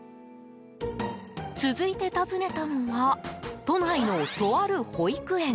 続いて訪ねたのは都内のとある保育園。